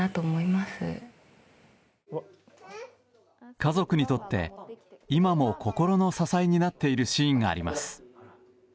家族にとって今も心の支えになっているシーンがあります。